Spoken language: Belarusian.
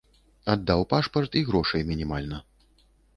Аддаў пашпарт і грошай мінімальна.